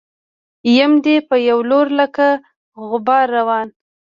يم دې په يو لور لکه غبار روان